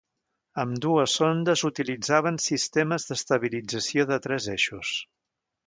Ambdues sondes utilitzaven sistemes d'estabilització de tres eixos.